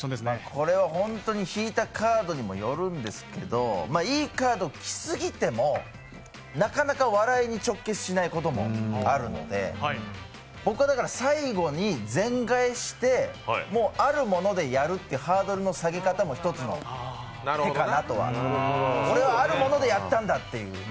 これは本当に、引いたカードにもヨルンですけど、いいカードきすぎても、なかなか笑いに直結しないこともあるので僕はだから最後に全替えして、あるものでやるというハードルの下げ方も１つの手かなとこれは、あるものでやったんだっていう。